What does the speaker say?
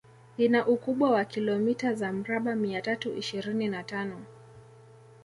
Ina ukubwa wa kilometa za mraba mia tatu ishirini na tano